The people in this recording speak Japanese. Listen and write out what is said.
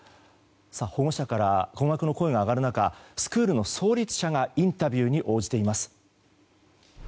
保護者から困惑の声が上がる中スクールの創立者がインタビューに応じています。